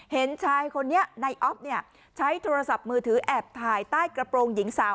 เห็นชายคนนี้ในออฟเนี่ยใช้โทรศัพท์มือถือแอบถ่ายใต้กระโปรงหญิงสาว